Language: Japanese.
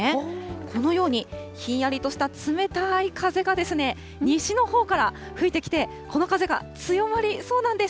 このように、ひんやりとした冷たい風が西のほうから吹いてきて、この風が強まりそうなんです。